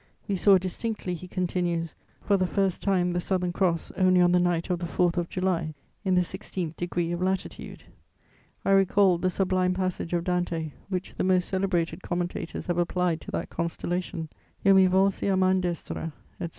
"We saw distinctly," he continues, "for the first time the Southern Cross only on the night of the 4th of July, in the sixteenth degree of latitude.... "I recalled the sublime passage of Dante, which the most celebrated commentators have applied to that constellation: "Io mi volsi a man destra, etc.